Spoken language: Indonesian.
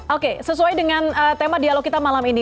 oke sesuai dengan tema dialog kita malam ini